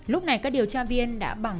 lúc này các điều tra viên đã bằng